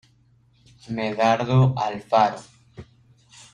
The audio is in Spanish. Medardo Alfaro.